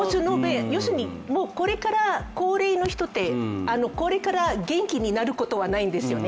要するに、高齢の人って、これから元気になることはないんですよね。